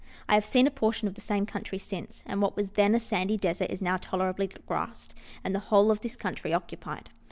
I have seen a portion of the same country since, and what was then a, sandy desert is now tolerably grassed, and the whole of the coun try occupied.